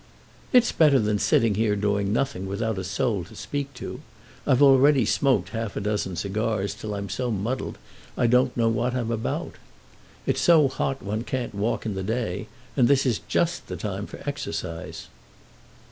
"It's better than sitting here doing nothing, without a soul to speak to. I've already smoked half a dozen cigars, till I'm so muddled I don't know what I'm about. It's so hot one can't walk in the day, and this is just the time for exercise."